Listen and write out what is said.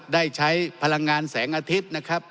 ได้ใช้พลังงานแสงอาทิตย์นะครับ